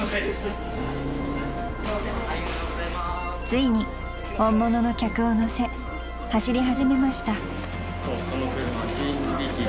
［ついに本物の客を乗せ走り始めました］